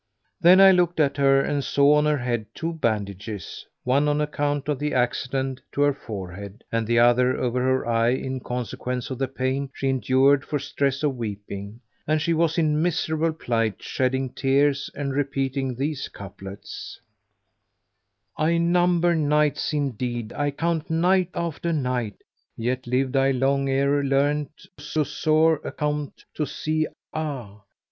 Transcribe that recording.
Then I looked at her and saw on her head two bandages, one on account of the accident to her forehead and the other over her eye in consequence of the pain she endured for stress of weeping; and she was in miserable plight shedding tears and repeating these couplets, "I number nights; indeed I count night after night; * Yet lived I long ere learnt so sore accompt to see, ah!